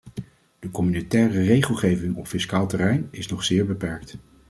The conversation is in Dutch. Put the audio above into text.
De communautaire regelgeving op fiscaal terrein is nog zeer beperkt.